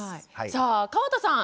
さあ川田さん